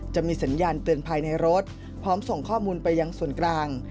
จะมีสัญญาณเตือนภายในรถพร้อมส่งข้อมูลไปยังส่วนกลาง